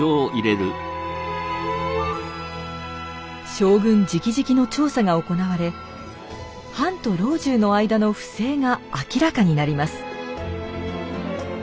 将軍じきじきの調査が行われ藩と老中の間の不正が明らかになります。